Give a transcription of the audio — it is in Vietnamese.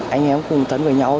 anh em cũng tấn với nhau